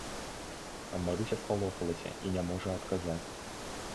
Марыся спалохалася і не можа адказаць.